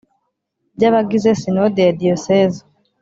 by abagize Sinode ya Dioseze